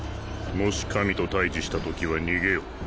もし神と対峙したときは逃げよ